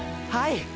はい。